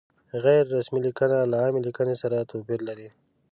غیر رسمي لیکنه له عامې لیکنې سره توپیر لري.